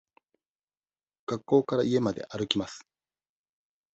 学校から家まで歩きます。